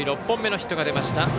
６本目のヒットが出ました。